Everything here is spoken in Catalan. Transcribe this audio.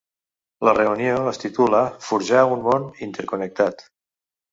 La reunió es titula ‘Forjar un món interconnectat’.